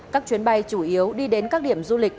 các chuyến bay chủ yếu đi đến các điểm du lịch